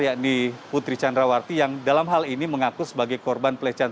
yakni putri candrawati yang dalam hal ini mengaku sebagai korban pelecehan